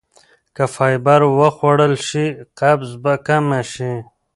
که فایبر وخوړل شي قبض به کمه شي.